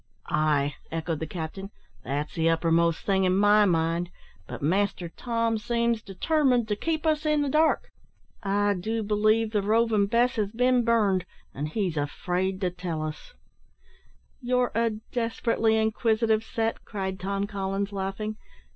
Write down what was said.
"Ay!" echoed the captain, "that's the uppermost thing in my mind; but master Tom seems determined to keep us in the dark. I do believe the Roving Bess has been burned, an' he's afraid to tell us." "You're a desperately inquisitive set," cried Tom Collins, laughing.